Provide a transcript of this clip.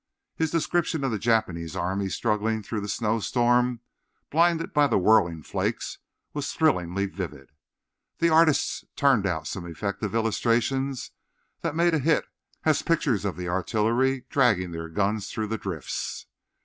His description of the Japanese army struggling through the snowstorm, blinded by the whirling flakes, was thrillingly vivid. The artists turned out some effective illustrations that made a hit as pictures of the artillery dragging their guns through the drifts.